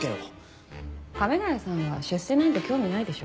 亀ヶ谷さんは出世なんて興味ないでしょ。